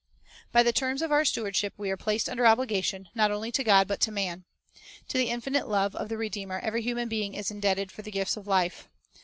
By the terms of our stewardship we are placed under obligation, not only to God, but to man. To the infinite love of the Redeemer every human being is indebted for the gifts of life.